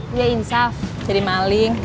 dia insaf jadi maling